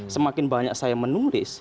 semakin banyak saya menulis